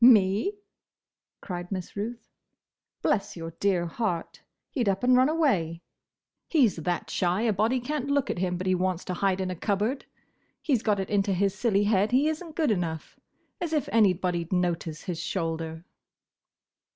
"Me!" cried Miss Ruth. "Bless your dear heart, he 'd up and run away. He 's that shy a body can't look at him but he wants to hide in a cupboard. He 's got it into his silly head he is n't good enough. As if anybody'd notice his shoulder!"